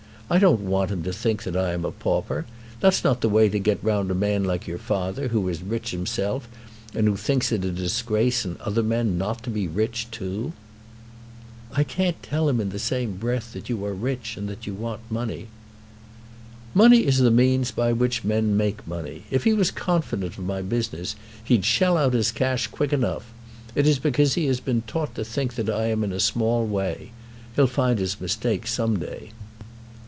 I don't want him to think that I am a pauper. That's not the way to get round a man like your father, who is rich himself and who thinks it a disgrace in other men not to be rich too." "I can't tell him in the same breath that you are rich and that you want money." "Money is the means by which men make money. If he was confident of my business he'd shell out his cash quick enough! It is because he has been taught to think that I am in a small way. He'll find his mistake some day."